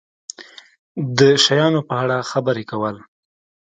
د شیانو په اړه خبرې کول